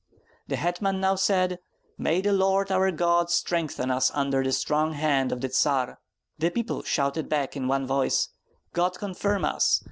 The hetman now said: "May the Lord our God strengthen us under the strong hand of the Tsar." The people shouted back in one voice: "God confirm us!